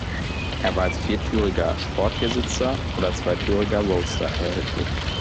Es war als viertüriger Sport-Viersitzer oder zweitüriger Roadster erhältlich.